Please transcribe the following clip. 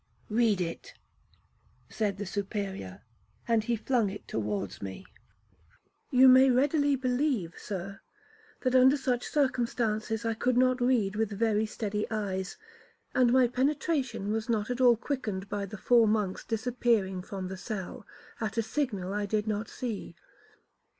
'Read it,' said the Superior, and he flung it towards me. 'You may readily believe, Sir, that, under such circumstances, I could not read with very steady eyes; and my penetration was not at all quickened by the four monks disappearing from the cell, at a signal I did not see.